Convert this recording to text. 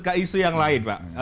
ke isu yang lain pak